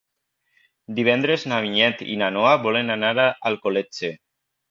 Divendres na Vinyet i na Noa volen anar a Alcoletge.